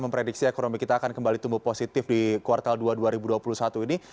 memprediksi ekonomi kita akan kembali tumbuh positif di kuartal dua dua ribu dua puluh satu ini